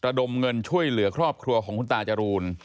ดมเงินช่วยเหลือครอบครัวของคุณตาจรูน